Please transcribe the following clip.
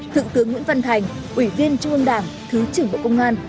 thượng tướng nguyễn văn thành ủy viên trung ương đảng thứ trưởng bộ công an